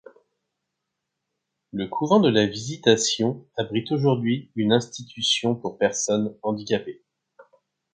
Le couvent de la Visitation abrite aujourd'hui une institution pour personnes handicapées.